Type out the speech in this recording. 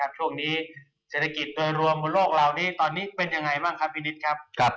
ช่วงนี้เศรษฐกิจโดยรวมบนโลกเหล่านี้ตอนนี้เป็นยังไงบ้างครับพี่นิดครับ